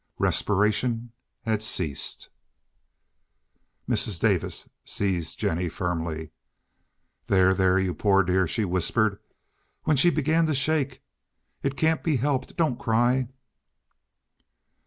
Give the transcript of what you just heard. Respiration had ceased. Mrs. Davis seized Jennie firmly. "There, there, you poor dear," she whispered when she began to shake. "It can't be helped. Don't cry."